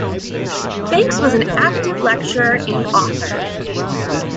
Banks was an active lecturer and author.